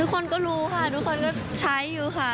คนก็รู้ค่ะทุกคนก็ใช้อยู่ค่ะ